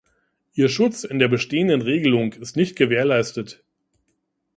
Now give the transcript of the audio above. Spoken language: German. Ihr Schutz in der bestehenden Regelung ist nicht gewährleistet.